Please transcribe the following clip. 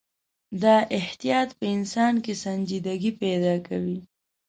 دا احتیاط په انسان کې سنجیدګي پیدا کوي.